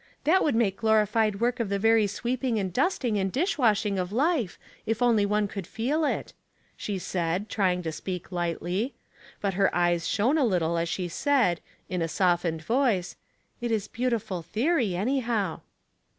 " That would make glorified work of the very sweeping and dusting and dish washing of life, if only one could feel it," she said, trying to speak lightly ; but her eyes shone a little as she added, in a softened voice, " It is beau tiful theory, anyhow."